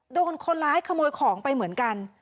โดนคนร้ายขโมยของไปเหมือนกัน